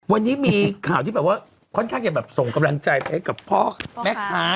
วันนี้มีข่าวที่แบบว่าค่อนข้างจะแบบส่งกำลังใจไปให้กับพ่อแม่ค้า